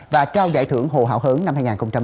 và trao giải thưởng hồ hảo hớn năm hai nghìn một mươi chín